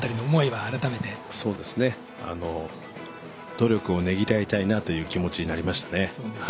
努力をねぎらいたいなという気持ちになりましたね。